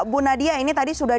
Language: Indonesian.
bu nadia ini tadi sudah